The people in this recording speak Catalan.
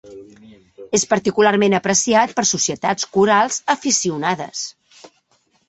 És particularment apreciat per societats corals aficionades.